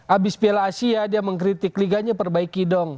abis piala asia dia mengkritik liganya perbaiki dong